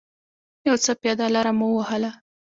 یو څه پیاده لاره مو و وهله.